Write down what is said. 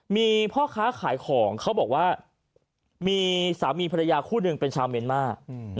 มีพ่อค้าขายของเขาบอกว่ามีสามีภรรยาคู่หนึ่งเป็นชาวเมียนมาร์